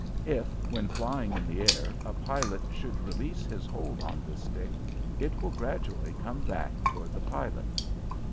If, when flying in the air, a pilot should release his hold on this stick, it will gradually come back toward the pilot.